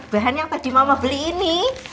bahan yang tadi mama beli ini